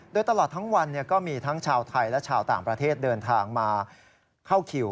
โดยตลอดทั้งวันก็มีทั้งชาวไทยและชาวต่างประเทศเดินทางมาเข้าคิว